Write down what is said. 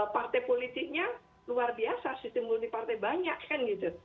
partai politiknya luar biasa sistem multipartai banyak kan gitu